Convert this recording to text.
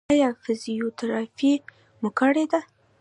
ایا فزیوتراپي مو کړې ده؟